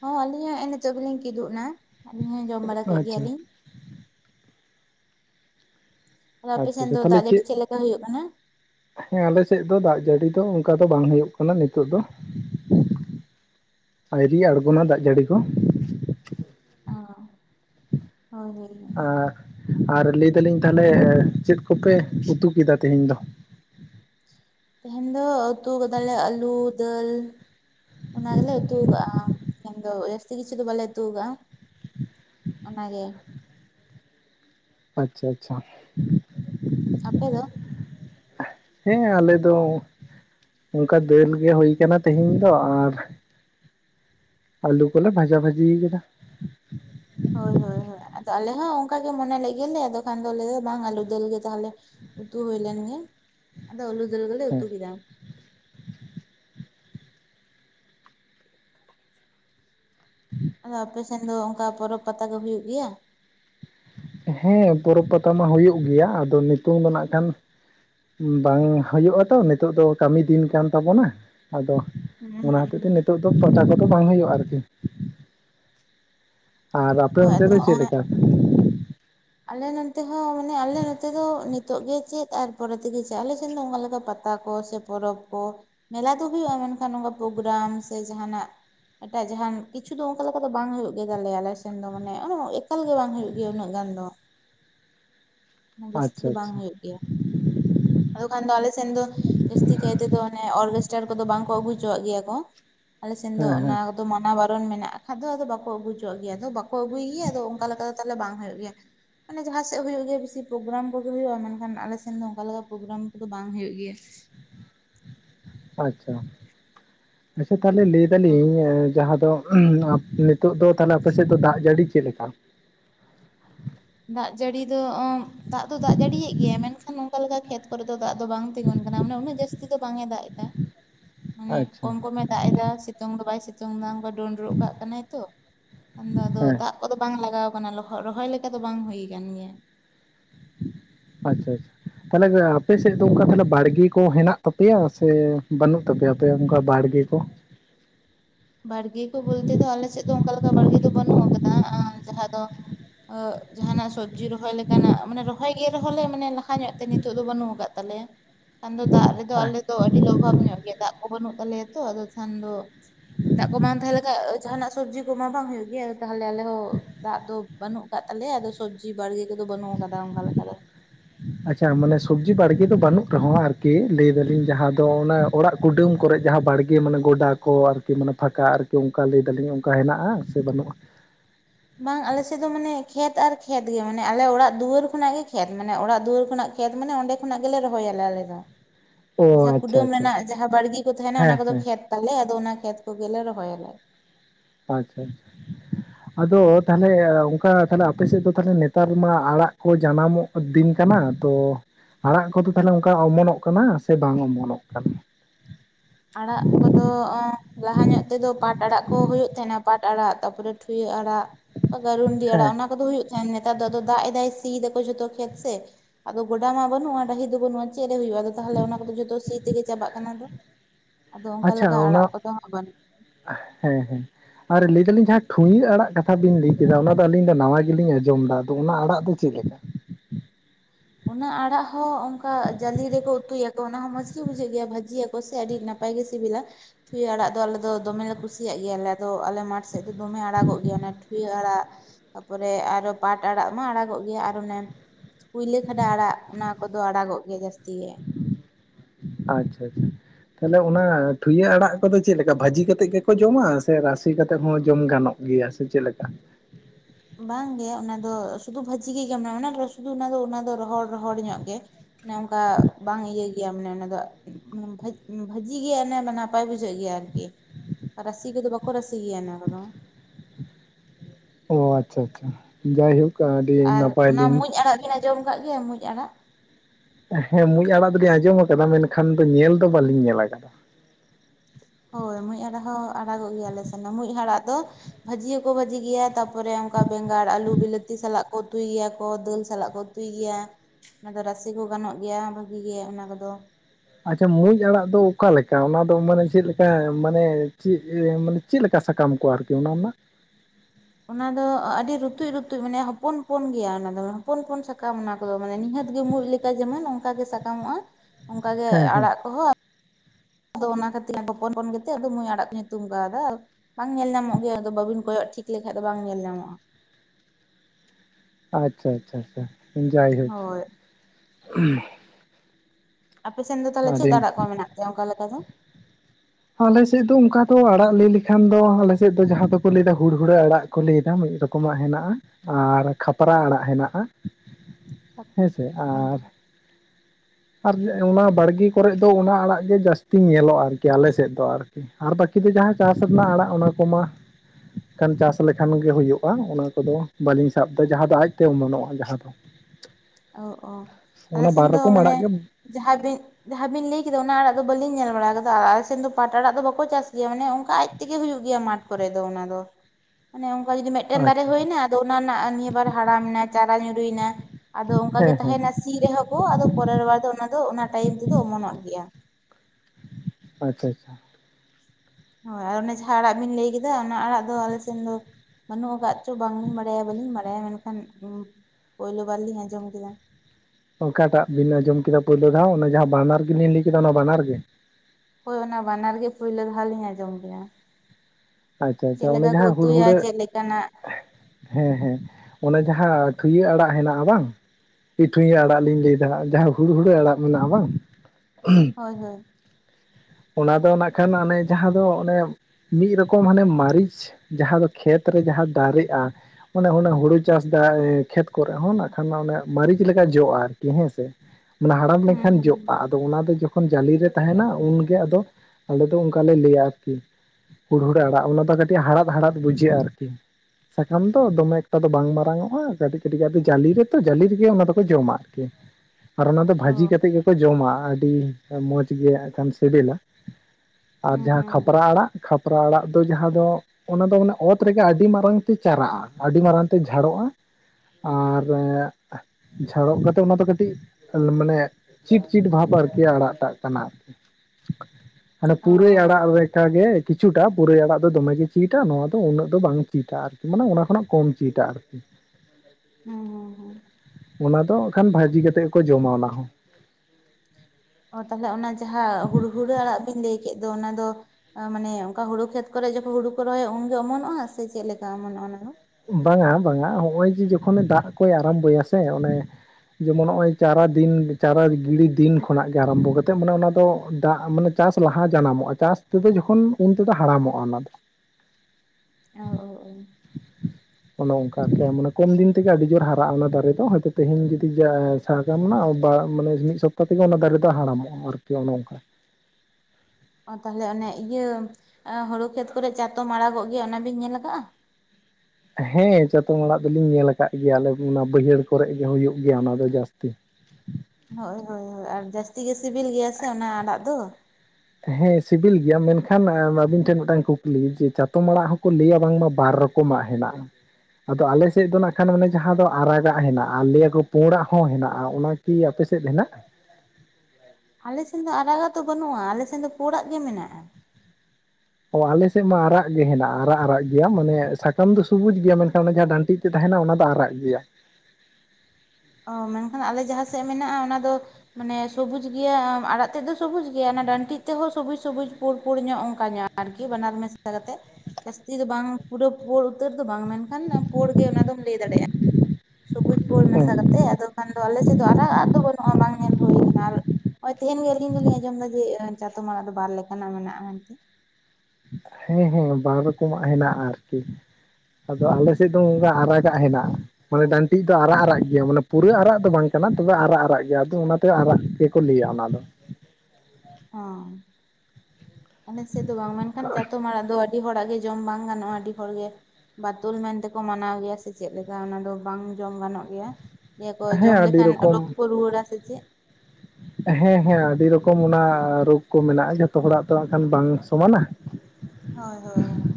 ᱦᱚᱸ ᱟᱹᱞᱤᱧ ᱦᱚᱸ ᱮ ᱱᱤᱛᱚᱜ ᱜᱮᱞᱤᱧ ᱠᱤᱫᱩᱜ ᱮᱱᱟ, ᱟᱹᱞᱤᱧ ᱦᱚᱸ ᱡᱚᱢ ᱵᱟᱲᱟ ᱠᱮᱫ ᱟᱪᱪᱷᱟ ᱜᱮᱭᱟᱞᱤᱧ ᱾ ᱟᱫᱚ ᱟᱯᱮ ᱟᱪᱪᱷᱟ ᱥᱮᱫ ᱟᱪᱪᱷᱟ ᱫᱚ ᱛᱟᱦᱚᱞᱮ ᱫᱟᱜᱽ ᱡᱟᱹᱲᱤ ᱪᱮᱫ ᱞᱮᱠᱟ ᱦᱩᱭᱩᱜ ᱠᱟᱱᱟ? ᱦᱮᱸ ᱟᱞᱮ ᱥᱮᱜ ᱫᱚ ᱫᱟᱜ ᱡᱟᱹᱲᱤ ᱫᱚ ᱚᱱᱠᱟ ᱫᱚ ᱵᱟᱝ ᱦᱩᱭᱚᱜ ᱠᱟᱱᱟ ᱱᱤᱛᱚᱜ ᱫᱚ ᱾ ᱟᱹᱭᱨᱤ ᱟᱬᱜᱚᱱᱟ ᱫᱟᱜ ᱡᱟᱹᱲᱤ ᱠᱚ ᱾ [unintelligible] ᱾ [unintelligible] ᱾ [unintelligible] ᱟᱨ ᱞᱟᱹᱭᱮᱫᱟ ᱞᱤᱧ ᱛᱟᱦᱞᱮ ᱪᱮᱫ ᱠᱚᱯᱮ ᱩᱛᱩ ᱠᱮᱫᱟ ᱛᱮᱦᱮᱧ ᱫᱚ? ᱛᱮᱦᱮᱱ ᱫᱚ ᱩᱛᱩᱠᱟᱫᱟ ᱞᱮ ᱟᱹᱞᱩ, ᱫᱟᱹᱞ ᱚᱱᱟ ᱜᱮᱞᱮ ᱩᱛᱩ ᱟᱠᱟᱜᱼᱟ ᱾ ᱛᱮᱦᱮᱱ ᱫᱚ ᱡᱟᱹᱥᱛᱤ ᱠᱤᱪᱷᱩ ᱫᱚ ᱵᱟᱞᱮ ᱩᱛᱩ ᱟᱠᱟᱜᱼᱟ ᱚᱱᱟ ᱜᱮ ᱾ ᱟᱪᱼᱪᱷᱟ ᱟᱪᱪᱷᱟ ᱾ ᱟᱯᱮ ᱫᱚ? ᱦᱮᱸ ᱟᱞᱮ ᱫᱚ? ᱚᱱᱠᱟ ᱫᱟᱹᱞ ᱜᱮ ᱦᱩᱭᱟ ᱠᱟᱱᱟ ᱛᱮᱦᱮᱧ ᱫᱚ ᱟᱨ ᱟᱹᱞᱩ ᱠᱚᱞᱮ ᱵᱷᱟᱡᱟ ᱵᱷᱟᱹᱡᱤᱭᱟᱠᱟᱫᱟ ᱾ ᱦᱳᱭ ᱦᱳᱭ ᱦᱳᱭ, ᱟᱫᱚ ᱟᱞᱮ ᱦᱚᱸ ᱚᱱᱠᱟ ᱜᱮ ᱢᱚᱱᱮ ᱜᱮᱭᱟᱞᱮ, ᱟᱫᱚ ᱠᱷᱟᱱ ᱫᱚ ᱞᱟᱹᱭ ᱫᱚ ᱵᱟᱝ ᱟᱹᱞᱩ ᱫᱟᱹᱞ ᱜᱮ ᱛᱟᱦᱞᱮ ᱾ ᱩᱛᱩ ᱦᱩᱭ ᱞᱮᱱ ᱜᱮ, ᱟᱫᱚ ᱟᱹᱞᱩ ᱫᱟᱹᱞ ᱜᱮ ᱦᱮᱸ ᱩᱛᱩ ᱠᱮᱫᱟ ᱾ [inaudible] ᱟᱫᱚ ᱟᱯᱮ ᱥᱮᱱ ᱫᱚ ᱚᱱᱠᱟ ᱯᱚᱨᱚᱵᱽ ᱯᱟᱛᱟ ᱠᱚ ᱦᱩᱭᱩᱜ ᱜᱮᱭᱟ? ᱦᱮᱸ, ᱯᱚᱨᱚᱵᱽ ᱯᱟᱛᱟ ᱢᱟ ᱦᱩᱭᱩᱜ ᱜᱮᱭᱟ ᱾ ᱟᱫᱚ ᱱᱤᱛᱚᱜ ᱫᱚ ᱱᱷᱟᱸᱜ ᱠᱷᱟᱱ? ᱵᱟᱝ ᱦᱩᱭᱩᱜᱼᱟ ᱛᱚ ᱱᱤᱛᱚᱜ ᱫᱚ ᱠᱟᱹᱢᱤ ᱫᱤᱱ ᱠᱟᱱ ᱛᱟᱵᱚᱱᱟ, ᱟᱫᱚ? ᱦᱩᱸ ᱦᱩᱸ ᱚᱱᱟ ᱦᱚᱛᱮᱜ ᱛᱮ ᱦᱩᱸ ᱱᱤᱛᱚᱜ ᱫᱚ ᱯᱟᱛᱟ ᱠᱚᱫᱚ ᱵᱟᱝ ᱦᱩᱭᱩᱜᱼᱟ ᱟᱨᱠᱤ ᱾ ᱟᱨ ᱟᱯᱮ ᱦᱳᱭ ᱚᱱᱛᱮ ᱟᱫᱚ ᱫᱚ ᱪᱮᱫ ᱦᱚᱸᱜᱼᱚᱭ ᱞᱮᱠᱟ? ᱟᱞᱮ ᱱᱚᱛᱮ ᱦᱚᱸ ᱢᱟᱱᱮ ᱟᱞᱮ ᱱᱚᱛᱮ ᱫᱚ ᱱᱤᱛᱚᱜ ᱜᱮ ᱪᱮᱫ ᱟᱨ ᱯᱚᱨᱮ ᱛᱮᱜᱮ ᱪᱮᱜ ᱟᱞᱮ ᱥᱮᱱ ᱫᱚ ᱚᱱᱠᱟ ᱞᱮᱠᱟ ᱯᱟᱛᱟ ᱠᱚ ᱥᱮ? ᱯᱚᱨᱚᱵᱽ ᱠᱚ ᱢᱮᱞᱟ ᱫᱚ ᱦᱩᱭᱩᱜᱼᱟ, ᱢᱮᱱᱠᱷᱟᱱ ᱱᱚᱝᱠᱟ ᱯᱨᱳᱜᱨᱟᱢ ᱥᱮ ᱡᱟᱦᱟᱸᱱᱟᱜ? [unintelligible] ᱮᱴᱟᱜ ᱡᱟᱦᱟᱸᱱ ᱠᱤᱪᱷᱩ ᱫᱚ ᱚᱱᱠᱟ ᱞᱮᱠᱟ ᱫᱚ ᱵᱟᱝ ᱦᱩᱭᱩᱜ ᱜᱮ ᱛᱟᱞᱮᱭᱟ, ᱟᱞᱮ ᱥᱮᱱ ᱫᱚ ᱢᱟᱱᱮ ᱮᱠᱟᱞ ᱜᱮ ᱵᱟᱝ ᱦᱩᱭᱩᱜ ᱜᱮᱭᱟ ᱩᱱᱟᱹᱜ ᱜᱟᱱ ᱫᱚ ᱾ ᱡᱟᱹᱥᱛᱤ ᱟᱪᱪᱷᱟ ᱫᱚ ᱵᱟᱝ ᱟᱪᱪᱷᱟ ᱦᱩᱭᱩᱜ ᱜᱮᱭᱟ ᱾ [inaudible] ᱟᱫᱚ ᱠᱷᱟᱱ ᱫᱚ ᱟᱞᱮ ᱥᱮᱱ ᱫᱚ ᱡᱟᱹᱥᱛᱤ ᱠᱟᱭ ᱛᱮᱫᱚ ᱚᱱᱮ ᱚᱨᱜᱮᱥᱴᱟᱨ ᱠᱚᱫᱚ ᱵᱟᱝ ᱠᱚ ᱟᱹᱜᱩᱦᱚᱪᱚᱣᱟᱜ ᱜᱮᱭᱟ ᱠᱚ ᱾ ᱟᱞᱮ ᱥᱮᱱ ᱫᱚ ᱦᱮᱸ ᱦᱮᱸ ᱚᱱᱟ? ᱛᱚ ᱢᱟᱱᱟ ᱵᱟᱨᱚᱱ ᱢᱮᱱᱟᱜ ᱠᱷᱟᱱ ᱫᱚ ᱵᱟᱠᱚ ᱟᱹᱜᱩ ᱪᱚᱣᱟᱜ ᱜᱮᱭᱟ ᱟᱫᱚ ᱵᱟᱠᱚ ᱟᱹᱜᱩᱭ ᱜᱮᱭᱟ ᱟᱫᱚ ᱚᱱᱠᱟ ᱞᱮᱠᱟ ᱫᱚ ᱛᱟᱦᱚᱞᱮ ᱵᱟᱝ ᱦᱩᱭᱩᱜ ᱜᱮᱭᱟ ᱾ ᱢᱟᱱᱮ ᱡᱟᱦᱟᱸ ᱥᱮᱜ ᱦᱩᱭᱩᱜ ᱜᱮᱭᱟ ᱵᱮᱥᱤ ᱾ ᱯᱨᱳᱜᱨᱟᱢ ᱠᱚᱜᱮ ᱦᱩᱭᱩᱜᱼᱟ, ᱢᱮᱱᱠᱷᱟᱱ ᱟᱞᱮ ᱥᱮᱱ ᱫᱚ ᱚᱱᱠᱟ ᱞᱮᱠᱟ ᱯᱨᱳᱜᱨᱟᱢ ᱠᱚᱫᱚ ᱵᱟᱝ ᱦᱩᱭᱩᱜ ᱜᱮᱭᱟ ᱾ ᱟᱪᱪᱷᱟ ᱾ ᱟᱪᱪᱷᱟ? ᱛᱟᱦᱚᱞᱮ ᱞᱟᱹᱭᱮᱫᱟᱞᱤᱧ ᱡᱟᱦᱟᱸ ᱫᱚ? ᱩᱸ ᱱᱤᱛᱚᱜ ᱫᱚ ᱛᱟᱞᱦᱮ ᱟᱯᱮᱥᱮᱫ ᱫᱚ ᱫᱟᱜ ᱡᱟᱹᱲᱤ ᱪᱮᱫ ᱞᱮᱠᱟ? ᱫᱟᱜ ᱡᱟᱹᱲᱤ ᱫᱚ ᱚᱸᱜ᱾ [unintelligible] ᱫᱟᱜ ᱫᱚ ᱫᱟᱜ ᱡᱟᱹᱲᱤᱭᱮᱜ ᱜᱮᱭᱟ ᱢᱮᱱᱠᱷᱟᱱ ᱱᱚᱝᱠᱟ ᱞᱮᱠᱟ ᱠᱷᱮᱛ ᱠᱚᱨᱮ ᱫᱚ ᱫᱟᱜ ᱫᱚ ᱵᱟᱝ ᱛᱮᱸᱜᱩᱱ ᱠᱟᱱᱟ, ᱢᱟᱱᱮ ᱩᱱᱟᱹᱜ ᱡᱟᱹᱥᱛᱤ ᱫᱚ ᱵᱟᱝ ᱮ ᱫᱟᱜ ᱮᱫᱟ᱾ [inaudible] ᱢᱟᱱᱮ ᱟᱪᱪᱷᱟ ᱠᱚᱢᱼᱠᱚᱢᱮ ᱫᱟᱜ ᱮᱫᱟ ᱥᱤᱛᱩᱝ ᱫᱚ ᱵᱟᱭ ᱥᱤᱛᱩᱝ, [unintelligible] ᱚᱱᱠᱟ ᱰᱩᱸᱰᱨᱩᱜ ᱠᱟᱜ ᱠᱟᱱᱟᱭ ᱛᱚ ᱟᱫᱚ ᱟᱫᱚ ᱦᱮᱸ ᱟᱪᱪᱷᱟ ᱫᱟᱜ ᱠᱚᱫᱚ ᱵᱟᱝ ᱞᱟᱜᱟᱣ ᱠᱟᱱᱟ ᱞᱚᱦᱚᱜ ᱨᱚᱦᱚᱭ [unintelligible] ᱾ [unintelligible] ᱫᱚ ᱵᱟᱝ ᱦᱩᱭ ᱠᱟᱱ ᱜᱮᱭᱟ᱾ ᱟᱪᱪᱷᱟ ᱟᱪᱪᱷᱟ᱾ ᱛᱟᱦᱚᱞᱮ ᱟᱯᱮ ᱥᱮᱜ ᱫᱚ ᱚᱱᱠᱟ ᱛᱟᱞᱦᱮ ᱵᱟᱲᱜᱮ ᱠᱚ ᱦᱮᱱᱟᱜ ᱛᱟᱯᱮᱭᱟ ᱥᱮ ᱵᱟᱹᱱᱩᱜ ᱛᱟᱯᱮᱭᱟ ᱟᱯᱮ ᱚᱱᱠᱟ ᱵᱟᱲᱜᱮ ᱠᱚ? [inaudible] ᱵᱟᱲᱜᱮ ᱠᱚ ᱵᱚᱞᱛᱮ ᱫᱚ ᱟᱞᱮ ᱥᱮᱜ ᱫᱚ ᱚᱱᱠᱟ ᱞᱮᱠᱟ ᱵᱟᱲᱜᱮ ᱫᱚ ᱵᱟᱹᱱᱩᱜ ᱟᱠᱟᱫᱟ ᱟᱸ ᱡᱟᱦᱟᱸ ᱫᱚ᱾ [unintelligible] ᱡᱟᱦᱟᱸᱱᱟᱜ ᱥᱚᱵᱽᱡᱤ ᱨᱚᱦᱚᱭ ᱞᱮᱠᱟᱱᱟᱜ ᱢᱟᱱᱮ ᱨᱚᱦᱚᱭ ᱜᱮ ᱨᱮᱦᱚᱸ ᱞᱮ ᱢᱟᱱᱮ ᱞᱟᱦᱟ ᱧᱚᱜ ᱛᱮ ᱱᱤᱛᱚᱜ ᱫᱚ ᱵᱟᱹᱱᱩᱜ ᱟᱠᱟᱫ ᱛᱟᱞᱮᱭᱟ᱾ ᱟᱫᱚ ᱫᱟᱜ ᱨᱮᱫᱚ ᱟᱞᱮ ᱫᱚ ᱟᱹᱰᱤ ᱚᱵᱷᱟᱵ ᱧᱚᱜ ᱜᱮᱭᱟ, ᱫᱟᱜ ᱠᱚ ᱵᱟᱹᱱᱩᱜ ᱛᱟᱞᱮᱭᱟ ᱛᱚ ᱟᱫᱚ ᱠᱷᱟᱱ ᱫᱚ ᱫᱟᱜ ᱠᱚ ᱵᱟᱝ ᱛᱟᱦᱮᱸ ᱞᱮᱠᱷᱟᱭ ᱡᱟᱦᱟᱱᱟᱜ ᱥᱟᱵᱽᱡᱤ ᱠᱚᱢᱟ ᱵᱟᱝ ᱦᱩᱭᱩᱜ ᱜᱮᱭᱟ ᱛᱟᱦᱞᱮ ᱟᱞᱮ ᱦᱚᱸ ᱫᱟᱜ ᱫᱚ ᱵᱟᱹᱱᱩᱜ ᱟᱠᱟᱜ ᱛᱟᱞᱮᱭᱟ ᱟᱫᱚ ᱥᱚᱵᱽᱡᱤ ᱵᱟᱲᱜᱮ ᱠᱚᱫᱚ ᱵᱟᱹᱱᱩᱜ ᱟᱠᱟᱫᱟ ᱚᱱᱠᱟ ᱞᱮᱠᱟ ᱫᱚ᱾ ᱟᱪᱪᱷᱟ ᱢᱟᱱᱮ ᱥᱚᱵᱽᱡᱤ ᱵᱟᱲᱜᱮ ᱫᱚ ᱵᱟᱹᱱᱩᱜ ᱨᱮᱦᱚᱸ ᱟᱨᱠᱤ, ᱞᱟᱹᱭᱮᱫᱟᱞᱤᱧ ᱡᱟᱦᱟᱸ ᱫᱚ ᱚᱱᱟ ᱚᱲᱟᱜ? ᱠᱩᱰᱟᱹᱢ ᱠᱚᱨᱮᱮᱫ ᱡᱟᱦᱟᱸ ᱵᱟᱲᱜᱮ ᱢᱟᱱᱮ ᱜᱚᱰᱟ ᱠᱚ ᱟᱨᱠᱤ ᱢᱟᱱᱮ ᱯᱷᱟᱠᱟ ᱟᱨᱠᱤ ᱚᱱᱠᱟ ᱞᱟᱹᱭ ᱫᱟᱞᱤᱧ ᱚᱱᱠᱟ ᱦᱮᱱᱟᱜᱼᱟ ᱥᱮ ᱵᱟᱹᱱᱩᱜᱼᱟ? ᱵᱟᱝ ᱟᱞᱮᱥᱮᱫ ᱫᱚ ᱢᱟᱱᱮ ᱠᱷᱮᱛ ᱟᱨ ᱠᱷᱮᱛ ᱜᱮ ᱢᱟᱱᱮ ᱟᱞᱮ ᱚᱲᱟᱜ ᱫᱩᱣᱟᱹᱨ ᱠᱷᱚᱱᱟᱜ ᱜᱮ ᱠᱷᱮᱛ ᱢᱟᱱᱮ ᱚᱲᱟᱜ ᱫᱩᱣᱟᱹᱨ ᱠᱷᱚᱱᱟᱜ ᱾ ᱠᱷᱮᱛ ᱢᱟᱱᱮ ᱚᱸᱰᱮ ᱠᱷᱚᱱᱟᱜ ᱜᱮᱞᱮ ᱨᱚᱦᱚᱭᱟᱞᱮ ᱟᱞᱮ ᱫᱚ᱾ [inaudible] ᱡᱟᱦᱟᱸ ᱟᱪᱪᱷᱟ ᱠᱩᱰᱟᱹᱢ ᱟᱪᱪᱷᱟ ᱨᱮᱱᱟᱜ ᱟᱪᱪᱷᱟ ᱡᱟᱦᱟᱸ ᱵᱟᱲᱜᱮ ᱠᱚ ᱛᱟᱦᱮᱱᱟ ᱦᱮᱸ ᱚᱱᱟ ᱠᱚᱫᱚ ᱦᱮᱸ ᱠᱷᱮᱛ ᱛᱟᱞᱮ ᱟᱫᱚ ᱚᱱᱟ ᱠᱷᱮᱛ ᱠᱚᱜᱮᱞᱮ ᱨᱚᱦᱚᱭᱟ ᱞᱮ᱾ ᱟᱪᱪᱷᱟ ᱟᱫᱚ ᱛᱟᱦᱚᱞᱮ ᱚᱱᱠᱟ ᱛᱟᱦᱞᱮ ᱟᱯᱮ ᱥᱮᱫ ᱫᱚ ᱛᱟᱦᱞᱮ ᱱᱮᱛᱟᱨ ᱢᱟ ᱟᱲᱟᱜ ᱠᱚ ᱡᱟᱱᱟᱢᱚᱜ ᱫᱤᱱ ᱠᱟᱱᱟ ᱛᱚ ᱟᱲᱟᱜ ᱠᱚᱫᱚ ᱛᱟᱦᱞᱮ ᱚᱱᱠᱟ ᱚᱢᱚᱱᱚᱜ ᱠᱟᱱᱟ ᱥᱮ ᱵᱟᱝ ᱚᱢᱚᱱᱚᱜ ᱠᱟᱱᱟ? [inaudible] ᱟᱲᱟᱜ ᱠᱚᱫᱚ ᱟ ᱞᱟᱦᱟ ᱧᱚᱜ ᱛᱮᱫᱚ ᱯᱟᱴ ᱟᱲᱟᱜ ᱠᱚ ᱦᱩᱭᱩᱜ ᱛᱟᱦᱮᱱᱟ, ᱯᱟᱴ ᱟᱲᱟᱜ ᱛᱟᱯᱚᱨᱮ ᱴᱷᱩᱭᱟᱹᱜ ᱟᱲᱟᱜ᱾ ᱜᱟᱨᱩᱱᱰᱤ ᱟᱲᱟᱜ ᱦᱮᱸ ᱚᱱᱟ ᱠᱚᱫᱚ ᱦᱩᱭᱩᱜ ᱛᱟᱦᱮᱸᱱ ᱱᱮᱛᱟᱨ ᱫᱚ ᱟᱫᱚ ᱫᱟᱜ ᱮᱫᱟᱭ ᱥᱤᱭ ᱫᱟᱠᱚ ᱡᱷᱚᱛᱚ ᱠᱷᱮᱛ ᱥᱮ᱾ ᱟᱫᱚ ᱜᱚᱰᱟ ᱢᱟ ᱵᱟᱹᱱᱩᱜᱼᱟ ᱰᱟᱹᱦᱤ ᱜᱤᱰᱤ ᱱᱚᱶᱟ ᱪᱮᱫ ᱨᱮ ᱦᱩᱭᱩᱜᱼᱟ ᱟᱫᱚ ᱛᱟᱦᱞᱮ ᱚᱱᱟ ᱠᱚᱫᱚ ᱡᱚᱛᱚ ᱥᱤ ᱛᱮᱜᱮ ᱪᱟᱵᱟᱜ ᱠᱟᱱᱟ ᱥᱮ ᱟᱫᱚ ᱚᱱᱠᱟ ᱞᱮᱠᱟ ᱟᱪᱪᱷᱟ ᱚᱱᱟ ᱟᱲᱟᱜ ᱠᱚᱫᱚ ᱦᱟᱸᱜ ᱵᱟᱹᱱᱩᱜᱼᱟ᱾ ᱦᱮᱸ ᱦᱮᱸ ᱟᱨ ᱞᱟᱹᱭ ᱮᱫᱟᱞᱤᱧ ᱡᱟᱦᱟᱸ ᱴᱷᱩᱩᱭᱟᱹ ᱟᱲᱟᱜ ᱠᱟᱛᱷᱟ ᱵᱤᱱ ᱞᱟᱹᱭ ᱠᱮᱫᱟ ᱚᱱᱟ ᱫᱚ ᱟᱹᱞᱤᱧ ᱫᱚ ᱱᱟᱶᱟ ᱜᱮᱞᱤᱧ ᱟᱸᱡᱚᱢ ᱮᱫᱟ, ᱟᱫᱚ ᱚᱱᱟ ᱟᱲᱟᱜ ᱫᱚ ᱪᱮᱫ ᱞᱮᱠᱟ? ᱚᱱᱟ ᱟᱲᱟᱜ ᱦᱚᱸ ᱚᱱᱠᱟ ᱡᱟᱞᱤ ᱨᱮᱠᱚ ᱩᱛᱩᱭᱟᱠᱚ ᱚᱱᱟ ᱦᱚᱸ ᱢᱚᱸᱡᱽ ᱜᱤ ᱵᱩᱡᱷᱟᱹᱜ ᱜᱮᱭᱟ ᱵᱷᱟᱹᱡᱤᱭᱟᱠᱚ ᱥᱮ ᱟᱹᱰᱤ ᱱᱟᱯᱟᱭ᱾ ᱟᱹᱰᱤ ᱥᱤᱵᱤᱞᱟ ᱴᱷᱩᱭᱟᱹᱜ ᱟᱲᱟᱜ ᱫᱚ ᱟᱞᱮ ᱫᱚ ᱫᱚᱢᱮ ᱞᱮ ᱠᱩᱥᱤᱭᱟᱜ ᱜᱮᱭᱟᱞᱮ ᱟᱫᱚ ᱟᱞᱮ ᱢᱟᱴᱷᱥ ᱥᱮᱫ ᱫᱚᱢᱮ ᱟᱲᱟᱜᱚᱜ ᱜᱮᱭᱟ ᱚᱱᱟ ᱴᱷᱩᱭᱟᱹ ᱟᱲᱟᱜ ᱛᱟᱯᱚᱨᱮ ᱟᱨᱚ ᱯᱟᱴ ᱟᱲᱟᱜ ᱢᱟ ᱟᱲᱟᱜᱚᱜ ᱜᱮᱭᱟ ᱟᱨ ᱚᱱᱮ ᱯᱩᱭᱞᱟᱹ ᱠᱷᱟᱰᱟ ᱟᱲᱟᱜ ᱚᱱᱟ ᱠᱚᱫᱚ ᱟᱲᱟᱜᱚᱜ ᱜᱮᱭᱟ ᱡᱟᱹᱥᱛᱤ ᱜᱮ ᱟᱪᱪᱷᱟ ᱟᱪᱪᱷᱟ ᱛᱷᱟᱞᱮ ᱚᱱᱟ ᱴᱷᱩᱭᱭᱟᱹ ᱟᱲᱟᱜ ᱠᱚᱫᱚ ᱪᱮᱫ ᱞᱮᱠᱟ ᱵᱷᱟᱹᱡᱤ ᱠᱟᱛᱮᱫ ᱜᱮᱠᱚ ᱡᱚᱢᱟ? ᱥᱮ ᱨᱟᱥᱮ ᱠᱟᱛᱮᱜ ᱦᱚᱸ ᱡᱚᱢ ᱜᱟᱱᱚᱜ ᱜᱮᱭᱟ ᱥᱮ ᱪᱮᱫ ᱞᱮᱠᱟ? ᱵᱟᱝ ᱜᱮ ᱚᱱᱟ ᱫᱚ ᱥᱩᱫᱷᱩ ᱵᱷᱟᱹᱡᱤ ᱜᱮ ᱟᱰᱤᱢᱮᱱᱟᱜᱼᱟ ᱚᱱᱟ ᱥᱩᱫᱩ ᱚᱱᱟ ᱚᱱᱟ ᱫᱚ ᱨᱚᱦᱚᱲ ᱨᱚᱦᱚᱲ ᱧᱚᱜ ᱜᱮ᱾ ᱚᱱᱮ ᱚᱱᱠᱟ ᱵᱟᱝ ᱤᱭᱟᱹ ᱜᱮᱭᱟ ᱢᱟᱱᱮ ᱚᱱᱟ ᱫᱚ ᱵᱷᱟᱡ ᱵᱷᱟᱹᱡᱤ ᱜᱮ ᱚᱱᱮ ᱱᱟᱯᱟᱭ ᱵᱩᱡᱷᱟᱹᱜ ᱜᱮᱭᱟ ᱟᱨᱠᱤ᱾ ᱨᱟᱹᱥᱤ ᱠᱚᱫᱚ ᱵᱟᱠᱚ ᱨᱟᱹᱥᱤ ᱜᱮᱭᱟ ᱚᱱᱟ ᱠᱚᱫᱚ᱾ ᱚ ᱟᱪᱪᱷᱟ ᱟᱪᱪᱷᱟ ᱡᱟᱭ ᱦᱚᱠ ᱟᱹᱰᱤ ᱱᱟᱯᱟᱭᱞᱤᱧ ᱡᱚᱢ ᱠᱟᱜ ᱜᱮᱭᱟᱢ ᱢᱩᱡ ᱟᱲᱟᱜ? ᱦᱮᱸ ᱢᱩᱡ ᱟᱲᱟᱜ ᱫᱚᱞᱤᱧ ᱟᱸᱡᱚᱢ ᱟᱠᱟᱫᱟ ᱢᱮᱱᱠᱷᱟᱱ ᱫᱚ ᱧᱮᱞ ᱫᱚ ᱵᱟᱞᱤᱧ ᱧᱮᱞ ᱟᱠᱟᱫᱟ᱾ ᱦᱚᱭ ᱢᱩᱡ ᱟᱲᱟᱜ ᱦᱚᱸ ᱟᱲᱟᱜᱚᱜ ᱜᱮᱭᱟ ᱟᱞᱮ ᱥᱮᱱ ᱢᱩᱡ ᱟᱟᱲᱟᱜ ᱫᱚ ᱵᱷᱟᱹᱡᱤᱭᱟᱹ ᱦᱚᱸᱠᱚ ᱵᱷᱟᱹᱡᱤ ᱜᱮᱭᱟ ᱛᱟᱯᱚᱨᱮ ᱚᱱᱠᱟ ᱵᱮᱸᱜᱟᱲ ᱟᱹᱞᱩ ᱵᱤᱞᱟᱹᱛᱤ ᱥᱟᱞᱟᱜ ᱠᱚ ᱩᱛᱩᱭ ᱜᱮᱭᱟ ᱠᱚ ᱫᱟᱹᱞ ᱥᱟᱞᱟᱜ ᱠᱚ᱾ ᱩᱛᱩᱭ ᱜᱮᱭᱟ ᱟᱫᱚ ᱨᱟᱥᱮ ᱠᱚ ᱜᱟᱱᱚᱜ ᱜᱮᱭᱟ ᱵᱷᱟᱹᱜᱤ ᱜᱮᱭᱟ ᱚᱱᱟ ᱠᱚᱫᱚ᱾ ᱟᱪᱪᱷᱟ ᱢᱩᱸᱡ ᱟᱲᱟᱜ ᱫᱚ ᱚᱠᱟᱞᱮᱠᱟ? ᱚᱱᱟ ᱫᱚ ᱢᱟᱱᱮ ᱪᱮᱫ ᱞᱮᱠᱟ ᱢᱟᱱᱮ ᱪᱮᱫ ᱢᱟᱱᱮ ᱪᱮᱫ ᱞᱮᱠᱟ ᱥᱟᱠᱟᱢ ᱠᱚ ᱟᱨᱠᱤ ᱚᱱᱟ ᱢᱟ ᱚᱱᱟ ᱫᱚ ᱟᱹᱰᱤ ᱨᱩᱛᱩᱡ ᱨᱩᱛᱩᱡ ᱢᱟᱱᱮ ᱦᱚᱯᱚᱱ ᱦᱚᱯᱚᱱ ᱜᱮᱭᱟ ᱚᱱᱟ ᱫᱚ ᱦᱚᱯᱚᱱ ᱦᱚᱯᱚᱱ ᱥᱟᱠᱟᱢ ᱚᱱᱟ ᱠᱚᱫᱚ ᱱᱤᱦᱟᱹᱛ ᱜᱮ ᱢᱩᱡ ᱞᱮᱠᱟ ᱡᱮᱢᱚᱱ ᱚᱱᱠᱟ ᱜᱮ ᱥᱟᱠᱟᱢᱚᱜᱼᱟ ᱚᱱᱠᱟ ᱜᱮ ᱦᱮᱸ ᱦᱮᱸ ᱟᱲᱟᱜ ᱠᱚᱦᱚᱸ ᱟᱫᱚ ᱚᱱᱟ ᱠᱷᱟᱹᱛᱤᱨ ᱦᱚᱯᱚᱱ ᱦᱚᱯᱚᱱ ᱜᱮᱛᱮ ᱟᱫᱚ ᱢᱩᱡ ᱟᱲᱟᱜ ᱠᱩ ᱧᱩᱛᱩᱢ ᱠᱟᱣᱫᱟ᱾ ᱵᱟᱝ ᱧᱮᱞ ᱧᱟᱢᱚᱜ ᱜᱮᱭᱟ ᱟᱫᱚ ᱵᱟᱹᱵᱤᱱ ᱠᱚᱭᱚᱜ ᱴᱷᱤᱠ ᱞᱮᱠᱷᱟᱡ ᱫᱚ ᱵᱟᱝ ᱧᱮᱞ ᱧᱟᱢᱚᱜᱼᱟ᱾ ᱟᱪᱪᱷᱟ ᱟᱪᱪᱷᱟ ᱪᱷᱟ ᱡᱟᱭᱦᱚ ᱦᱳᱭ ᱟᱯᱮ ᱥᱮᱱ ᱫᱚ ᱛᱟᱦᱞᱮ ᱟᱹᱰᱤ ᱪᱮᱫ ᱟᱲᱟᱜ ᱠᱚ ᱢᱮᱱᱟᱜ ᱜᱮᱭᱟ ᱚᱱᱠᱟ ᱞᱮᱠᱟ ᱫᱚ ᱟᱞᱮ ᱥᱮᱫ ᱫᱚ ᱚᱱᱠᱟ ᱫᱚ ᱟᱲᱟᱜ ᱞᱟᱹᱭ ᱞᱮᱠᱷᱟᱱ ᱫᱚ ᱟᱞᱮ ᱥᱮᱫ ᱫᱚ ᱡᱟᱦᱟᱸ ᱫᱚᱠᱚ ᱞᱟᱹᱭ ᱮᱫᱟ ᱦᱩᱲᱩ ᱦᱩᱲᱟᱹ ᱟᱲᱟᱜ ᱠᱩ ᱞᱟᱹᱭᱮᱫᱟ ᱢᱤᱫ ᱨᱚᱠᱚᱢᱟᱜ ᱦᱮᱱᱟᱜᱼᱟ ᱟᱨ ᱠᱷᱟᱯᱨᱟ ᱟᱲᱟᱜ ᱦᱮᱱᱟᱜᱼᱟ ᱦᱮᱸ ᱥᱮ ᱟᱨ ᱟᱨ ᱚᱱᱟ ᱵᱟᱲᱜᱮ ᱠᱚᱨᱮ ᱫᱚ ᱚᱱᱟ ᱟᱲᱟᱜ ᱜᱮ ᱡᱟᱹᱥᱛᱤ ᱧᱮᱞᱚᱜᱼᱟ ᱟᱨᱠᱤ ᱟᱞᱮ ᱥᱮᱫ ᱪᱮᱫ ᱫᱚ ᱟᱨᱠᱤ ᱟᱨ ᱵᱟᱠᱤ ᱫᱚ ᱡᱟᱦᱟᱸ ᱪᱟᱥ ᱨᱮᱱᱟᱜ ᱟᱲᱟᱜ ᱚᱱᱟ ᱠᱚᱢᱟ ᱠᱷᱟᱱ ᱪᱟᱥ ᱞᱮᱠᱷᱟᱱ ᱜᱮ ᱦᱩᱭᱩᱜᱼᱟ ᱚᱱᱟ ᱠᱚᱫᱚ ᱵᱟᱹᱞᱤᱧ ᱥᱟᱵ ᱮᱫᱟ ᱡᱟᱦᱟᱸ ᱫᱚ ᱟᱡᱛᱮ ᱚᱢᱚᱱᱚᱜᱼᱟ ᱡᱟᱦᱟᱸ ᱫᱚ [inaudible] ᱚ ᱚ ᱟᱞᱮ ᱚᱱᱟ ᱥᱮᱱ ᱵᱟᱨ ᱫᱚ ᱨᱚᱠᱚᱢ ᱢᱟᱱᱮ ᱟᱲᱟᱜ ᱜᱮ ᱡᱟᱦᱟᱸ ᱵᱤᱱ ᱡᱟᱦᱟᱸ ᱵᱤᱱ ᱞᱟᱹᱭ ᱠᱮᱫᱟ ᱚᱱᱟ ᱟᱲᱟᱜ ᱫᱚ ᱵᱟᱹᱞᱤᱧ ᱧᱮᱞ ᱵᱟᱲᱟ ᱟᱠᱟᱫᱟ ᱟᱨ ᱟᱞᱮ ᱥᱮᱱ ᱫᱚ ᱯᱟᱴ ᱟᱲᱟᱜ ᱫᱚ ᱵᱟᱠᱚ ᱪᱟᱥ ᱜᱮᱭᱟ ᱢᱟᱱᱮ ᱚᱱᱠᱟ ᱟᱡ ᱛᱮᱜᱮ ᱦᱩᱭᱩᱜ ᱜᱮᱭᱟ ᱢᱟᱴᱷ ᱠᱚᱨᱮ ᱫᱚ ᱚᱱᱟ ᱫᱚ [inaudible] ᱢᱟᱱᱮ ᱚᱱᱠᱟ ᱡᱚᱫᱤ ᱢᱤᱫ ᱴᱮᱱ ᱫᱟᱨᱮ ᱟᱪᱪᱷᱟ ᱦᱩᱭᱱᱟ ᱟᱫᱚ ᱚᱱᱟ ᱨᱮᱱᱟᱜ ᱟᱨ ᱱᱤᱭᱟᱹ ᱵᱟᱨ ᱦᱟᱲᱟᱢᱮᱱᱟᱭ ᱪᱟᱨᱟ ᱧᱩᱨᱩᱭᱮᱱᱟ ᱟᱫᱚ ᱚᱱᱠᱟ ᱜᱮ ᱦᱮᱸ ᱦᱮᱸ ᱛᱟᱦᱮᱱᱟ ᱥᱤ ᱨᱮᱦᱚᱸ ᱠᱚ ᱟᱫᱚ ᱯᱚᱨᱮᱨ ᱨᱮᱵᱟᱨ ᱫᱚ ᱚᱱᱟ ᱫᱚ ᱚᱱᱟ ᱴᱟᱭᱤᱢ ᱛᱮᱫᱚ ᱚᱢᱚᱱᱚᱜ ᱜᱮᱭᱟ ᱟᱪᱪ ᱟᱪᱪᱷᱟ ᱦᱳᱭ ᱟᱨ ᱚᱱᱮ ᱡᱟᱦᱟᱸ ᱟᱲᱟᱜ ᱵᱤᱱ ᱞᱟᱹᱭ ᱠᱮᱫᱟ ᱚᱱᱟ ᱟᱲᱟᱜ ᱫᱚ ᱟᱞᱮ ᱥᱮᱱ ᱫᱚ ᱵᱟᱹᱱᱩᱜ ᱟᱠᱟᱫ ᱪᱚ ᱵᱟᱝᱞᱤᱧ ᱵᱟᱲᱟᱭᱟ ᱵᱟᱹᱞᱤᱧ ᱵᱟᱲᱟᱭᱟ ᱢᱮᱱ ᱠᱷᱟᱱ ᱯᱳᱭᱞᱳ ᱵᱟᱨ ᱞᱤᱧ ᱟᱸᱡᱚᱢ ᱠᱮᱫᱟ ᱚᱠᱟ ᱴᱟᱜ ᱵᱤᱱ ᱟᱸᱡᱚᱢ ᱠᱮᱫᱟ ᱯᱳᱭᱞᱳ ᱫᱷᱟᱣ ᱚᱱᱟ ᱡᱟᱦᱟᱸ ᱵᱟᱱᱟᱨ ᱜᱮᱞᱤᱧ ᱞᱟᱹᱭ ᱠᱮᱫᱟ ᱚᱱᱟ ᱵᱟᱱᱟᱨ ᱜᱮ ᱦᱳᱭ ᱚᱱᱟ ᱵᱟᱱᱟᱨ ᱜᱮ ᱯᱳᱭᱞᱳ ᱫᱷᱟᱣ ᱞᱤᱧ ᱟᱸᱡᱚᱢ ᱜᱮᱭᱟ ᱟᱪᱪᱷᱟ ᱪᱮᱫ ᱟᱪᱪᱷᱟ ᱚᱱᱮ ᱞᱮᱠᱟ ᱠᱚ ᱡᱟᱦᱟᱸ ᱦᱩᱲ ᱩᱛᱩᱭᱟ ᱦᱩᱲᱟᱹ ᱪᱮᱫ ᱞᱮᱠᱟᱱᱟᱜ ᱦᱮᱸ ᱦᱮᱸ ᱚᱱᱮ ᱡᱟᱦᱟᱸ ᱴᱷᱭᱟᱹ ᱟᱲᱟᱜ ᱦᱮᱱᱟᱜᱼᱟ ᱵᱟᱝ ᱴᱷᱩᱭᱟᱹ ᱟᱲᱟᱜ ᱞᱤᱧ ᱞᱟᱹᱭᱮᱫᱟ ᱡᱟᱦᱟᱸ ᱦᱩᱲᱩ ᱦᱩᱲᱩ ᱟᱲᱟᱜ ᱢᱮᱱᱟᱜᱼᱟ ᱵᱟᱝ ᱦᱳᱭ ᱦᱳᱭ ᱚᱱᱟ ᱫᱚ ᱱᱟᱜ ᱠᱷᱟᱱ ᱚᱱᱮ ᱡᱟᱦᱟᱸ ᱫᱚ ᱚᱱᱮ ᱢᱤᱫ ᱨᱚᱠᱚᱢ ᱦᱟᱱᱮ ᱢᱟᱹᱨᱤᱪ ᱡᱟᱦᱟᱸ ᱫᱚ ᱠᱷᱮᱛ ᱨᱮ ᱡᱟᱦᱟᱸ ᱫᱟᱨᱮᱜᱼᱟ ᱚᱱᱮ ᱚᱱᱮ ᱦᱩᱲᱩ ᱪᱟᱥ ᱫᱟᱭ ᱠᱷᱮᱛ ᱠᱚᱨᱮ ᱦᱚᱸ ᱱᱟᱜ ᱠᱷᱟᱱ ᱚᱱᱮ ᱢᱟᱹᱨᱤᱪ ᱞᱮᱠᱟ ᱡᱚᱜᱼᱟ ᱟᱨᱠᱤ ᱦᱮᱸ ᱥᱮ ᱢᱟᱱᱮ ᱦᱟᱲᱟᱢ ᱦᱩᱸ ᱞᱮᱱᱠᱷᱟᱱ ᱦᱩᱸ ᱦᱩᱸ ᱡᱚᱜᱼᱟ ᱟᱫᱚ ᱚᱱᱟ ᱫᱚ ᱡᱚᱠᱷᱚᱱ ᱡᱟᱞᱮ ᱛᱟᱦᱮᱱᱟ ᱩᱱ ᱟᱫᱚ ᱟᱞᱮ ᱫᱚ ᱚᱱᱠᱟ ᱞᱮ ᱞᱟᱹᱭᱟ ᱟᱨᱠᱤ ᱦᱩᱲ ᱦᱩᱲᱟᱹ ᱟᱲᱟᱜ ᱚᱱᱟ ᱫᱚ ᱠᱟᱹᱴᱤᱡ ᱦᱟᱲᱟᱫ ᱦᱟᱲᱟᱫ ᱵᱩᱡᱷᱟᱹᱜᱼᱟ ᱟᱨᱠᱤ ᱥᱟᱠᱟᱢ ᱫᱚ ᱫᱚᱢᱮ ᱮᱠᱴᱟ ᱫᱚ ᱵᱟᱝ ᱢᱟᱨᱟᱝ ᱚᱜᱼᱟ ᱠᱟᱹᱴᱤᱡ ᱠᱟᱹᱴᱤᱡ ᱟᱫᱚ ᱡᱟᱹᱞᱤ ᱨᱮᱛᱚ ᱡᱟᱹᱞᱤ ᱨᱮᱜᱮ ᱚᱱᱟ ᱫᱚᱠᱚ ᱡᱚᱢᱟ ᱴ [inaudible] ᱟᱨ ᱚᱱᱟ ᱫᱚ ᱚ ᱵᱷᱟᱹᱡᱤ ᱠᱟᱛᱮ ᱜᱮᱠᱚ ᱡᱚᱢᱟ ᱟᱹᱰᱤ ᱢᱚᱸᱡ ᱜᱮ ᱠᱷᱟᱱ ᱥᱮᱵᱮᱞᱟ ᱟᱨ ᱦᱩᱸ ᱡᱟᱦᱟᱸ ᱦᱩᱸ ᱦᱩᱸ ᱠᱷᱟᱯᱨᱟ ᱟᱲᱟᱜ ᱠᱷᱟᱯᱨᱟ ᱟᱲᱟᱜ ᱫᱚ ᱡᱟᱦᱟᱸ ᱫᱚ ᱚᱱᱟ ᱫᱚ ᱢᱟᱱᱮ ᱚᱛ ᱨᱮᱜᱮ ᱟᱹᱰᱤ ᱢᱟᱨᱟᱝ ᱛᱮ ᱪᱟᱨᱟᱜᱼᱟ ᱟᱹᱰᱤ ᱢᱟᱨᱟᱝ ᱛᱮ ᱡᱷᱟᱲᱚᱜᱼᱟ ᱟᱨ ᱡᱷᱟᱲᱚᱜ ᱠᱟᱛᱮᱜ ᱚᱱᱟ ᱫᱚ ᱠᱟᱹᱴᱤᱡ ᱢᱟᱱᱮ ᱪᱤᱴ ᱪᱤᱴ ᱵᱷᱟᱵ ᱟᱨᱠᱤ ᱟᱲᱟᱜ ᱴᱟᱜ ᱠᱟᱱᱟ ᱟᱨᱠᱤ ᱢᱟᱱᱮ ᱚ ᱯᱩᱨᱟᱹᱭ ᱚ ᱟᱲᱟᱜ ᱞᱮᱠᱟ ᱜᱮ ᱠᱤᱪᱷᱩᱴᱟ ᱯᱩᱨᱟᱹᱭ ᱟᱲᱟᱜ ᱫᱚ ᱫᱚᱢᱮ ᱜᱮ ᱪᱤᱴᱟ ᱱᱚᱣᱟ ᱫᱚ ᱩᱱᱟᱹᱜ ᱫᱚ ᱵᱟᱝ ᱪᱤᱴᱟ ᱟᱨᱠᱤ ᱢᱟᱱᱮ ᱚᱱᱟ ᱠᱷᱚᱱᱟᱜ ᱠᱚᱢ ᱪᱤᱴᱟ ᱟᱨᱠᱤ ᱚᱟᱭ [inaudible] ᱦᱩᱸ ᱦᱩᱸ ᱦᱩᱸ ᱚᱱᱟ ᱫᱚ ᱠᱷᱟᱱ ᱵᱷᱟᱹᱡᱤ ᱠᱟᱛᱮᱜ ᱜᱮ ᱠᱚ ᱡᱚᱢᱟ ᱚᱱᱟ ᱦᱚᱸ ᱚ ᱛᱟᱦᱚᱞᱮ ᱚᱱᱟ ᱡᱟᱦᱟᱸ ᱦᱩᱲᱩ ᱦᱩᱲᱟᱹ ᱟᱲᱟᱜ ᱵᱤᱱ ᱞᱟᱹᱭ ᱠᱮᱫ ᱫᱚ ᱚᱱᱟ ᱫᱚ ᱢᱟᱱᱮ ᱚᱱᱠᱟ ᱦᱩᱲᱩ ᱠᱷᱮᱛ ᱠᱚᱨᱮ ᱡᱚᱠᱷᱚᱱ ᱦᱩᱲᱩ ᱠᱚ ᱨᱚᱦᱚᱭᱟ ᱩᱱᱜᱮ ᱚᱢᱚᱱᱚᱜᱼᱟ ᱥᱮ ᱪᱮᱫ ᱞᱮᱠᱟ ᱚᱢᱚᱱᱚᱜᱼᱟ ᱚᱱᱟᱫᱚ ᱵᱟᱝᱟ ᱵᱟᱝᱟ ᱦᱚᱜᱼᱚᱭ ᱡᱮ ᱡᱚᱠᱷᱚᱱᱮ ᱫᱟᱜ ᱠᱚᱭ ᱟᱨᱚᱢᱵᱚᱭᱟ ᱥᱮ ᱚᱱᱮ ᱡᱮᱢᱚᱱ ᱱᱚᱜ ᱚᱭ ᱪᱟᱨᱟ ᱫᱤᱱ ᱪᱟᱨᱟ ᱜᱤᱲᱤ ᱫᱤᱱ ᱠᱷᱚᱱᱟᱜ ᱜᱮ ᱟᱨᱚᱢᱵᱚ ᱠᱟᱛᱮᱫ ᱢᱟᱱᱮ ᱚᱱᱟ ᱫᱚ ᱫᱟᱜ ᱢᱟᱱᱮ ᱪᱟᱥ ᱞᱟᱦᱟ ᱡᱟᱱᱟᱢᱚᱜᱼᱟ ᱪᱟᱥ ᱛᱮᱫᱚ ᱡᱚᱠᱷᱚᱱ ᱩᱱᱛᱮᱫᱚ ᱦᱟᱲᱟᱢᱚᱜᱼᱟ ᱚᱱᱟ ᱫᱚ᱾ ᱚ ᱚ ᱚ᱾ ᱚᱱᱮ ᱚᱱᱠᱟ ᱛᱮ ᱢᱟᱱᱮ ᱠᱚᱢ ᱫᱤᱱ ᱛᱮᱜᱮ ᱟᱹᱰᱤ ᱡᱳᱨ ᱦᱟᱨᱟᱜᱼᱟ ᱚᱱᱟ ᱫᱟᱨᱤ ᱫᱚ ᱦᱚᱭᱛᱳ ᱛᱮᱦᱤᱧ ᱡᱩᱫᱤ ᱡᱟᱥ ᱥᱟᱨᱡᱟᱢᱱᱟ ᱵᱟ ᱢᱟᱱᱮ ᱢᱤᱫ ᱥᱚᱯᱛᱟ ᱛᱮᱜᱮ ᱚᱱᱟ ᱫᱟᱨᱮ ᱫᱚ ᱦᱟᱲᱟᱢᱚᱜᱼᱟ ᱟᱨᱠᱤ ᱚᱱ ᱚᱝᱠᱟ᱾ ᱚ ᱛᱟᱦᱚᱞᱮ ᱚᱱᱮ ᱤᱭᱟᱹ ᱦᱳᱲᱳ ᱠᱷᱮᱛ ᱠᱚᱨᱮ ᱪᱟᱛᱚᱢ ᱟᱲᱟᱜᱚᱜ ᱜᱮᱭᱟ ᱚᱱᱟ ᱵᱤᱱ ᱧᱮᱞ ᱠᱟᱜᱼᱟ? ᱦᱮᱸ ᱪᱟᱛᱚᱢ ᱟᱲᱟᱜ ᱫᱚᱞᱤᱧ ᱧᱮᱞ ᱠᱟᱫ ᱜᱮᱭᱟ ᱟᱞᱮ ᱚᱱᱟ ᱵᱟᱹᱭᱦᱟᱹᱲ ᱠᱚᱨᱮ ᱜᱮ ᱦᱩᱭᱩᱜ ᱜᱮᱭᱟ ᱚᱱᱟ ᱫᱚ ᱡᱟᱹᱥᱛᱤ᱾ ᱦᱳᱭ ᱦᱳᱭ ᱦᱳᱭ ᱟᱨ ᱡᱟᱹᱥᱛᱤ ᱜᱮ ᱥᱤᱵᱤᱞ ᱜᱮᱭᱟ ᱥᱮ ᱚᱱᱟ ᱟᱲᱟᱜ ᱫᱚ᱾ ᱦᱮᱸ ᱥᱤᱵᱤᱞ ᱜᱮᱭᱟ ᱢᱮᱱᱠᱷᱟᱱ ᱟᱵᱤᱱ ᱴᱷᱮᱱ ᱢᱤᱫᱴᱟᱝ ᱠᱩᱠᱞᱤ ᱡᱮ ᱪᱟᱛᱚᱢ ᱟᱲᱟᱜ ᱦᱚᱸᱠᱚ ᱞᱟᱹᱭᱟ ᱵᱟᱝᱢᱟ ᱵᱟᱨ ᱨᱚᱠᱚᱢ ᱠᱚ ᱢᱟᱜ ᱦᱮᱱᱟᱜᱼᱟ᱾ ᱟᱫᱚ ᱟᱞᱮ ᱥᱮᱫ ᱫᱚ ᱱᱟᱜ ᱠᱷᱟᱱ ᱚᱱᱮ ᱡᱟᱦᱟᱸ ᱫᱚ ᱟᱨᱟᱜᱟᱜ ᱦᱮᱱᱟᱜᱼᱟ ᱞᱟᱹᱭᱟᱠᱚ ᱯᱩᱸᱰᱟᱜ ᱦᱚᱸ ᱦᱮᱱᱟᱜᱼᱟ ᱚᱱᱟ ᱠᱤ ᱟᱯᱮ ᱥᱮᱫ ᱦᱮᱱᱟᱜᱼᱟ? ᱟᱞᱮᱥᱮᱱ ᱫᱚ ᱟᱨᱟᱜᱟ ᱫᱚ ᱵᱟᱹᱱᱩᱜᱼᱟ ᱟᱞᱮᱥᱮᱱ ᱫᱚ ᱯᱩᱸᱰᱟᱜ ᱜᱮ ᱢᱮᱱᱟᱜᱼᱟ᱾ ᱚ ᱟᱞᱮ ᱥᱮᱫ ᱢᱟ ᱟᱨᱟᱜ ᱜᱮ ᱦᱮᱱᱟᱜ ᱟᱨᱟᱜ ᱟᱨᱟᱜ ᱜᱮᱭᱟ ᱢᱟᱱᱮ ᱥᱟᱠᱟᱢ ᱫᱚ ᱥᱩᱵᱩᱡ ᱜᱮᱭᱟ ᱢᱮᱱᱠᱷᱟᱱ ᱚᱱᱟ ᱡᱟᱦᱟᱸ ᱰᱟᱱᱴᱤᱜ ᱪᱤᱫ ᱛᱟᱦᱮᱱᱟ ᱚᱱᱟ ᱫᱚ ᱟᱨᱟᱜ ᱜᱮᱭᱟ᱾ ᱚ ᱢᱮᱱᱠᱷᱟᱱ ᱟᱞᱮ ᱡᱟᱦᱟᱸ ᱥᱮᱫ ᱢᱮᱱᱟᱜᱼᱟ ᱚᱱᱟ ᱫᱚ ᱢᱟᱱᱮ ᱥᱚᱵᱩᱡ ᱜᱮᱭᱟ ᱟᱲᱟᱜ ᱛᱮᱫ ᱫᱚ ᱥᱚᱵᱩᱡ ᱜᱮᱭᱟ ᱚᱱᱟ ᱰᱟᱱᱴᱤᱡ ᱛᱮᱫᱦᱚᱸ ᱥᱚᱵᱩᱡ ᱥᱚᱵᱩᱡ ᱯᱩᱲ ᱯᱩᱲ ᱧᱚᱜ ᱚᱱᱠᱟ ᱧᱚᱜ᱾ ᱟᱨᱠᱤ ᱵᱟᱱᱟᱨ ᱢᱮᱥᱟ ᱠᱟᱛᱮᱫ᱾ ᱡᱟᱹᱥᱛᱤ ᱫᱚ ᱵᱟᱝ ᱯᱩᱨᱟᱹ ᱯᱩᱸᱲ ᱩᱛᱟᱹᱨ ᱫᱚ ᱵᱟᱝ ᱢᱮᱱᱠᱷᱟᱱ ᱯᱩᱸᱲ ᱜᱮ ᱚᱱᱟ ᱫᱚᱢ ᱞᱟᱹᱭ ᱫᱟᱲᱮᱭᱟᱜᱼᱟ᱾ ᱥᱚᱵᱩᱡ ᱯᱩᱲ ᱢᱮᱥᱟ ᱦᱮᱸ ᱠᱟᱛᱮᱫ ᱟᱫᱚ ᱠᱷᱟᱱ ᱫᱚ ᱟᱞᱮ ᱥᱮᱫ ᱫᱚ ᱟᱨᱟᱜ ᱟᱜ ᱫᱚ ᱵᱟᱹᱱᱩᱜᱼᱟ ᱵᱟᱝ ᱧᱮᱞ ᱦᱩᱭ ᱠᱟᱱᱟ ᱟᱨ ᱚᱭ ᱛᱮᱦᱮᱧ ᱜᱮ ᱟᱹᱞᱤᱧ ᱫᱚᱞᱤᱧ ᱟᱸᱡᱚᱢ ᱫᱟ ᱡᱮ ᱪᱟᱛᱚᱢ ᱟᱲᱟᱜ ᱫᱚ ᱵᱟᱨ ᱞᱮᱠᱟᱱᱟᱜ ᱢᱮᱱᱟᱜᱼᱟ ᱟᱨᱠᱤ᱾ ᱦᱮᱸ ᱦᱮᱸ ᱵᱟᱨ ᱨᱚᱠᱚᱢᱟᱜ ᱦᱮᱱᱟᱜᱼᱟ ᱟᱨᱠᱤ᱾ ᱟᱫᱚ ᱟᱞᱮᱥᱮᱫ ᱫᱚ ᱚᱱᱠᱟ ᱟᱨᱟᱜᱟᱜ ᱦᱮᱱᱟᱜᱼᱟ᱾ ᱢᱟᱱᱮ ᱰᱟᱹᱱᱴᱤᱡ ᱫᱚ ᱟᱨᱟᱜ ᱟᱨᱟᱜ ᱜᱮᱭᱟ ᱢᱟᱱᱮ ᱯᱩᱨᱟᱹ ᱟᱨᱟᱜ ᱫᱚ ᱵᱟᱝ ᱠᱟᱱᱟ ᱛᱚᱵᱮ ᱟᱨᱟᱜ ᱟᱨᱟᱜ ᱜᱮᱭᱟ ᱟᱫᱚ ᱚᱱᱟᱛᱮ ᱟᱨᱟᱜ ᱜᱮ ᱠᱚ ᱞᱟᱹᱭᱟ ᱚᱱᱟ ᱫᱚ᱾ ᱚ, ᱟᱞᱮ ᱥᱮᱫ ᱫᱚ ᱵᱟᱝ ᱢᱮᱱᱠᱷᱟᱱ ᱪᱟᱛᱚᱢ ᱟᱲᱟᱜ ᱫᱚ ᱟᱹᱰᱤ ᱟᱹᱰᱤ ᱦᱚᱲᱟᱜ ᱜᱮ ᱡᱚᱢ ᱵᱟᱝ ᱜᱟᱱᱚᱜᱼᱟ ᱟᱹᱰᱤ ᱦᱚᱲᱜᱮ ᱵᱟᱫᱩᱞ ᱢᱮᱱᱛᱮᱠᱚ ᱢᱟᱱᱟᱣ ᱜᱮᱭᱟ ᱥᱮ ᱪᱮᱫ ᱞᱮᱠᱟ ᱚᱱᱟ ᱫᱚ ᱵᱟᱝ ᱡᱚᱢ ᱜᱟᱱᱚᱜ ᱜᱮᱭᱟ᱾ ᱞᱟ. ᱭᱟᱠᱚ ᱦᱮᱸ ᱡᱚᱢ ᱟᱹᱰᱤ ᱞᱮᱠᱷᱟᱱ ᱨᱚᱠᱚᱢ ᱨᱳᱠ ᱠᱚ ᱨᱩᱣᱟᱹᱲᱼᱟ ᱥᱮ ᱪᱮᱫ? ᱦᱮᱸ ᱦᱮᱸ ᱟᱹᱰᱤ ᱨᱚᱠᱚᱢ ᱚᱱᱟ ᱨᱳᱜ ᱠᱚ ᱢᱮᱱᱟᱜᱼᱟ ᱡᱷᱚᱛᱚ ᱦᱚᱲᱟᱜ ᱛᱚ ᱟᱝᱠᱷᱟᱱ ᱵᱟᱝ ᱥᱚᱢᱟᱱᱟ᱾ ᱦᱳᱭ ᱦᱳᱭ ᱦᱳᱭ᱾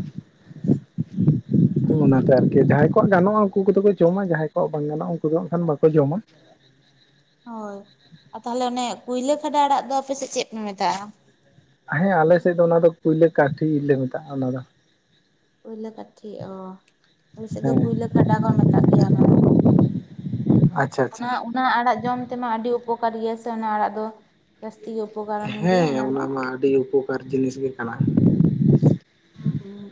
ᱚᱱᱟᱛᱮ ᱟᱨᱠᱤ ᱡᱟᱦᱟᱸᱭ ᱠᱚᱣᱟᱜ ᱜᱟᱱᱚᱜᱼᱟ ᱩᱱᱠᱩ ᱠᱚᱫᱚ ᱠᱚ ᱡᱚᱢᱟ ᱡᱟᱦᱟᱸᱭ ᱠᱚᱣᱟᱜ ᱵᱟᱝ ᱜᱟᱱᱚᱜᱼᱟ ᱩᱱᱠᱩ ᱫᱚ ᱦᱟᱜ ᱠᱷᱟᱱ ᱵᱟᱠᱚ ᱡᱚᱢᱟ᱾ ᱦᱳᱭ, ᱟ ᱛᱟᱦᱚᱞᱮ ᱚᱱᱮ ᱠᱩᱭᱞᱟᱹ ᱠᱷᱟᱰᱟ ᱟᱲᱟᱜ ᱫᱚ ᱟᱯᱮᱥᱮᱫ ᱪᱮᱫ ᱯᱮ ᱢᱮᱛᱟᱜᱼᱟ? ᱦᱮᱸ ᱟᱞᱮ ᱥᱮᱫ ᱫᱚ ᱚᱱᱟ ᱫᱚ ᱠᱩᱭᱞᱟᱹ ᱠᱟᱴᱷᱤ ᱞᱮ ᱢᱮᱛᱟᱜᱼᱟ ᱚᱱᱟ ᱫᱚ᱾ ᱠᱩᱭᱞᱟᱹ ᱠᱟᱴᱷᱤ ᱚ ᱟᱞᱮ ᱥᱮᱫ ᱫᱚ ᱦᱮᱸ ᱠᱩᱭᱞᱟᱹ ᱠᱷᱟᱰᱟ ᱠᱚ ᱢᱮᱛᱟᱜ ᱜᱮᱭᱟ ᱚᱱᱟ᱾ ᱟᱪᱪᱷᱟ ᱟᱪᱪᱷᱟ᱾ ᱩᱱᱟ ᱩᱱᱟ ᱟᱲᱟᱜ ᱡᱚᱢ ᱛᱮᱢᱟ ᱟᱹᱰᱤ ᱩᱯᱚᱠᱟᱨ ᱜᱮᱭᱟ ᱥᱮ ᱚᱱᱟ ᱟᱲᱟᱜ ᱫᱚ ᱡᱟᱹᱥᱛᱤ ᱜᱮ ᱩᱯᱚ ᱦᱮᱸ ᱚᱱᱟ ᱢᱟ ᱟᱹᱰᱤ ᱩᱯᱚᱠᱟᱨ ᱡᱤᱱᱤᱥ ᱜᱮ ᱠᱟᱱᱟ᱾ ᱦᱩᱸ,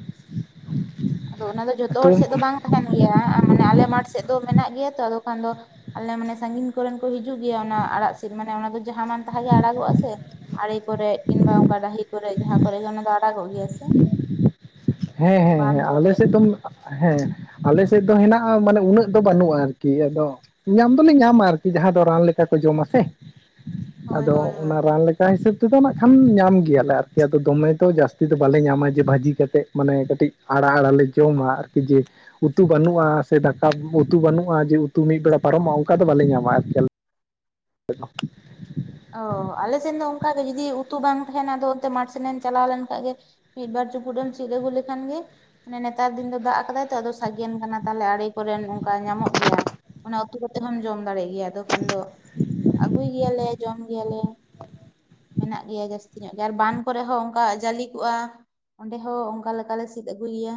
ᱟᱫᱚ ᱚᱱᱟ ᱫᱚ ᱡᱚᱛᱚ ᱛᱚ ᱦᱚᱲ ᱥᱮᱫ ᱫᱚ ᱵᱟᱝ ᱛᱟᱦᱮᱱ ᱜᱮᱭᱟ ᱢᱟᱱᱮ ᱟᱞᱮ ᱢᱟᱴᱷ ᱥᱮᱫ ᱫᱚ ᱢᱮᱱᱟᱜ ᱜᱮᱭᱟ ᱛᱚ ᱟᱫᱚ ᱠᱷᱟᱱ ᱫᱚ ᱟᱞᱮ ᱢᱟᱱᱮ ᱥᱟᱺᱜᱤᱧ ᱠᱚᱨᱮᱱ ᱠᱚ ᱦᱤᱡᱩᱜ ᱜᱮᱭᱟ ᱚᱱᱟ ᱟᱲᱟᱜ ᱥᱤᱫ ᱢᱟᱱᱮ ᱚᱱᱟ ᱫᱚ ᱡᱟᱦᱟᱸ ᱢᱟᱱ ᱛᱟᱦᱟᱸ ᱜᱮ ᱟᱲᱟᱜᱚᱜᱼᱟ ᱥᱮ᱾ ᱟᱲᱮ ᱠᱚᱨᱮ ᱠᱤᱝᱵᱟ ᱚᱱᱠᱟ ᱰᱟᱹᱦᱤ ᱠᱚᱨᱮ ᱡᱟᱦᱟᱸ ᱠᱚᱨᱮ ᱜᱮ ᱚᱱᱟ ᱫᱚ ᱟᱲᱟᱜᱚᱜ ᱜᱮᱭᱟ ᱥᱮ᱾ ᱦᱮᱸ ᱦᱮᱸ ᱦᱮᱸ ᱵᱟᱸᱫᱷ ᱟᱞᱮ ᱠᱚᱨᱮ ᱥᱮᱫ ᱫᱚᱢ ᱦᱮᱸ ᱟᱞᱮ ᱥᱮᱫ ᱫᱚ ᱦᱮᱱᱟᱜᱼᱟ ᱢᱟᱱᱮ ᱩᱱᱟᱹᱜ ᱫᱚ ᱵᱟᱹᱱᱩᱜᱼᱟ ᱟᱨᱠᱤ ᱟᱫᱚ ᱧᱟᱢ ᱫᱚᱞᱣ ᱧᱟᱢᱟ ᱟᱨᱠᱤ ᱡᱟᱦᱟᱸ ᱫᱚ ᱨᱟᱱ ᱞᱮᱠᱟ ᱠᱚ ᱡᱚᱢᱟ ᱥᱮ, ᱦᱳᱭ ᱟᱫᱚ ᱦᱳᱭ ᱦᱳᱭ ᱚᱱᱟ ᱨᱟᱱ ᱞᱮᱠ ᱨᱟᱱ ᱦᱤᱥᱟᱹᱵ ᱛᱮᱫᱚ ᱱᱟᱜ ᱠᱷᱟᱱ ᱧᱟᱢ ᱜᱮᱭᱟᱞᱮ ᱟᱨᱠᱤ ᱟᱫᱚ ᱫᱚᱢᱮ ᱛᱚ ᱡᱟᱹᱥᱛᱤ ᱫᱚ ᱵᱟᱞᱮ ᱧᱟᱢᱟ ᱡᱮ ᱵᱷᱟᱹᱡᱤ ᱠᱟᱛᱮᱫ ᱢᱟᱱᱮ ᱠᱟᱹᱴᱤᱡ ᱟᱲᱟᱜ ᱟᱲᱟᱜ ᱞᱮ ᱡᱚᱢᱟ ᱟᱨᱠᱤ ᱡᱮ ᱩᱛᱩ ᱵᱟᱹᱱᱩᱜᱼᱟ ᱥᱮ ᱫᱟᱠᱟ ᱩᱛᱩ ᱵᱟᱹᱱᱩᱜᱼᱟ ᱡᱮ ᱩᱛᱩ ᱢᱤᱫ ᱵᱮᱲᱟ ᱯᱟᱨᱚᱢᱚᱜᱼᱟ ᱚᱱᱠᱟ ᱫᱚ ᱵᱟᱞᱮ ᱧᱟᱢᱟ ᱟᱨᱠᱤ ᱟᱞᱮ [unintelligible] ᱚ ᱟᱞᱮᱥᱮᱱ ᱫᱚ ᱚᱱᱠᱟᱜᱮ ᱡᱩᱫᱤ ᱩᱛᱩ ᱵᱟᱝ ᱛᱟᱦᱮᱱᱟ ᱟᱫᱚ ᱚᱱᱛᱮ ᱢᱟᱴᱷ ᱥᱮᱱ ᱮᱢ ᱪᱟᱞᱟᱣ ᱞᱮᱱᱠᱷᱟᱡ ᱜᱮ ᱢᱤᱫ ᱵᱟᱨ ᱪᱩᱯᱩᱫ ᱮᱢ ᱥᱤᱫ ᱟᱜᱩ ᱞᱮᱠᱷᱟᱱ ᱜᱮ ᱢᱟᱱᱮ ᱱᱮᱛᱟᱨ ᱫᱤᱱ ᱫᱚ ᱫᱟᱜ ᱟᱠᱟᱫᱟᱭ ᱛᱚ ᱥᱟᱜᱮᱱ ᱠᱟᱱᱟ ᱛᱟᱦᱞᱮ ᱟᱲᱮ ᱠᱚᱨᱮᱱ ᱚᱱᱠᱟ ᱧᱟᱢᱚᱜ ᱜᱮᱭᱟ ᱩᱛᱩ ᱠᱟᱛᱮ ᱦᱚᱢ ᱡᱚᱢ ᱫᱟᱲᱮᱭᱟᱜ ᱜᱮᱭᱟ ᱟᱫᱚ ᱠᱷᱟᱱ ᱫᱚ ᱟᱹᱜᱩᱭ ᱜᱮᱭᱟᱞᱮ ᱡᱚᱢ ᱜᱮᱭᱟᱞᱮ ᱢᱮᱱᱟᱜ ᱜᱮᱭᱟ ᱡᱟᱹᱥᱛᱤ ᱧᱚᱜ ᱜᱮᱭᱟ ᱟᱨ ᱵᱟᱱ ᱠᱚᱨᱮ ᱦᱚᱸ ᱚᱱᱠᱟ ᱡᱟᱹᱞᱤ ᱠᱚᱜᱼᱟ ᱚᱸᱰᱮ ᱦᱚᱸ ᱚᱱᱠᱟ ᱞᱮᱠᱟ ᱞᱮ ᱥᱤᱫ ᱟᱹᱜᱩᱭ ᱜᱮᱭᱟ